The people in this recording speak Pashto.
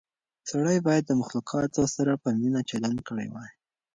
سړی باید د مخلوقاتو سره په مینه چلند کړی وای.